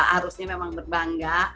harusnya memang berbangga